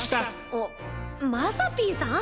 あっまさぴーさん？